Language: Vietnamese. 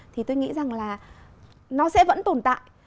thì tôi nghĩ rằng là nó sẽ vẫn tồn tại